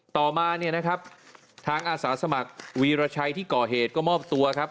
ต่อมาเนี่ยนะครับทางอาสาสมัครวีรชัยที่ก่อเหตุก็มอบตัวครับ